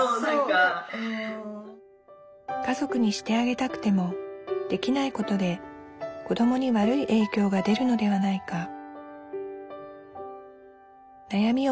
家族にしてあげたくてもできないことで子どもに悪い影響が出るのではないか。